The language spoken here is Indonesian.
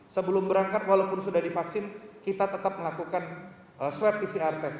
sebelum berangkat walaupun sudah divaksin kita tetap melakukan swab pcr test